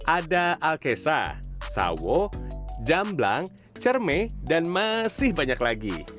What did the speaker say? ada alkesa sawo jamblang cermai dan masih banyak lagi